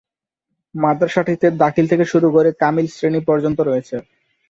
মাদ্রাসাটিতে দাখিল থেকে শুরু করে কামিল শ্রেণী পর্যন্ত রয়েছে।